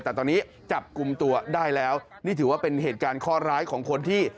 แต่ตอนนี้จับกลุ่มตัวได้แล้วนี่ถือว่าเป็นเหตุการณ์ข้อร้ายของคนที่